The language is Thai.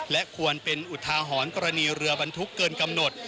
และควรเป็นอุทาหรณ์กรณีเรือบรรทุกเกินกำหนด